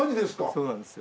そうなんですよ。